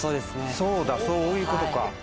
そうだそういうことか。